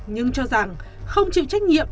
nhưng cho rằng không chịu trách nhiệm